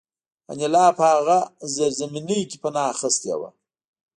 انیلا په هغه زیرزمینۍ کې پناه اخیستې وه